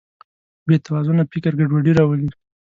بېتوازنه فکر ګډوډي راولي.